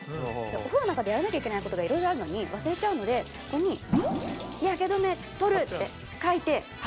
お風呂の中でやらなきゃいけない事が色々あるのに忘れちゃうのでここに「日焼け止めとる！！」って書いて貼ってます。